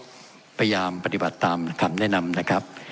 ก็พยายามปฏิบัติตามคำแนะนำนะครับ